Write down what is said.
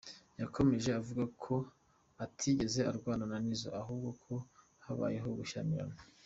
Yakomeje avuga ko atigeze arwana na Nizzo, ahubwo ko habayeho gushyamirana.